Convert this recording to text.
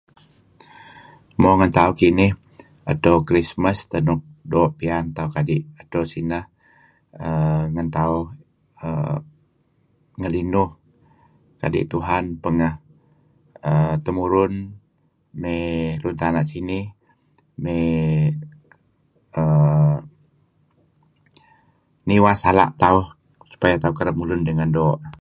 Mo ngen tauh kinih edto Christmas teh nuk doo' piyan tauh kadi' edto sineh err ngen tauh err ngelinuh kadi' Tuhan pengeh temurun mey luun tana' sinih err niwa sala' tauh supaya tauh kereb mulun dengan doo'.